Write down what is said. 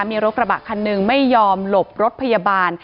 มีรถกระบะคันหนึ่งไม่ยอมหลบรถพยาบาล